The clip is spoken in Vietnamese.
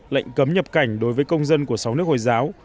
lệnh cấm nhập cảnh đối với công dân của sáu nước hồi giáo